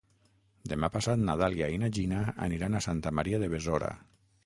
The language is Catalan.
Demà passat na Dàlia i na Gina aniran a Santa Maria de Besora.